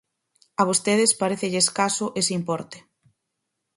A vostedes parécelle escaso ese importe.